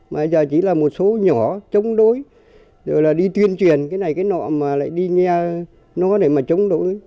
mà giờ chỉ là một số nhỏ chống đối rồi là đi tuyên truyền cái này cái nọ mà lại đi nha nó để mà chống đối